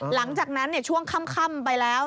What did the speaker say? หลังจากนั้นช่วงค่ำไปแล้ว